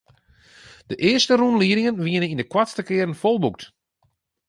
De earste rûnliedingen wiene yn de koartste kearen folboekt.